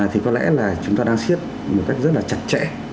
thì có lẽ là chúng ta đang siết một cách rất là chặt chẽ